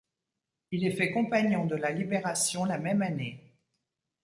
Il est fait compagnon de la Libération la même année.